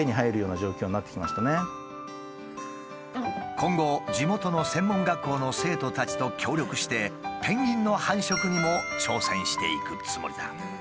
今後地元の専門学校の生徒たちと協力してペンギンの繁殖にも挑戦していくつもりだ。